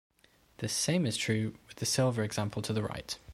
The same is true with the silver example to the right.